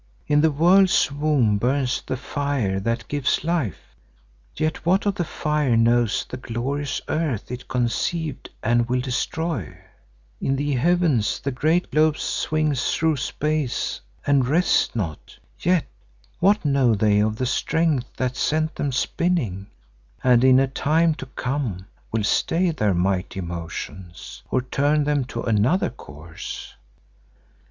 In the world's womb burns the fire that gives life, yet what of the fire knows the glorious earth it conceived and will destroy; in the heavens the great globes swing through space and rest not, yet what know they of the Strength that sent them spinning and in a time to come will stay their mighty motions, or turn them to another course?